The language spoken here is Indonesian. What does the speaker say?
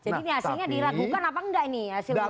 jadi hasilnya diragukan apa enggak ini hasil musrah ini